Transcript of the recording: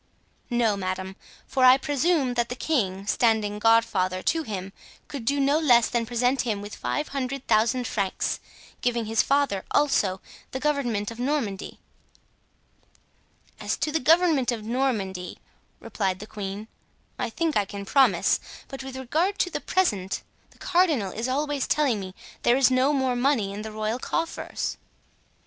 "No, madame, for I presume that the king, standing godfather to him, could do no less than present him with five hundred thousand francs, giving his father, also, the government of Normandy." "As to the government of Normandy," replied the queen, "I think I can promise; but with regard to the present, the cardinal is always telling me there is no more money in the royal coffers."